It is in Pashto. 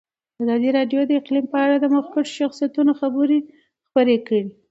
ازادي راډیو د اقلیم په اړه د مخکښو شخصیتونو خبرې خپرې کړي.